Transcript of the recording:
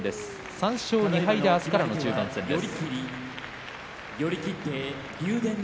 ３勝２敗で明日からの中盤戦です。